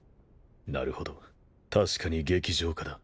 なるほど確かに激情家だ。